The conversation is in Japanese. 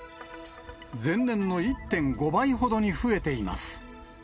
前年の１．５倍ほどに増えています。